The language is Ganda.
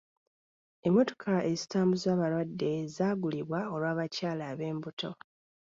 Emmotoka ezitambuza abalwadde zaagulibwa olw'abakyala ab'embuto.